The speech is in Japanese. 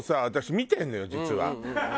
私見てんのよ実は。